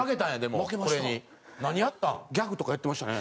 ギャグとかやってましたね。